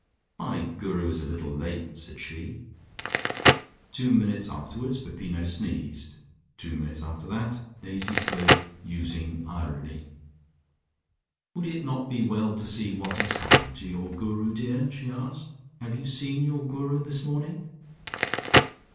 "My Guru is a little late," said she. Two minutes afterwards, Peppino sneezed. Two minutes after that Daisy spoke, using irony. "Would it not be well to see what has happened to your Guru, dear?" she asked. "Have you seen your Guru this morning?"